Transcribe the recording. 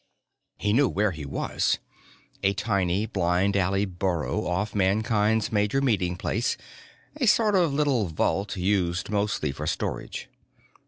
He knew where he was. A tiny, blind alley burrow off Mankind's major meeting place, a sort of little vault used mostly for storage.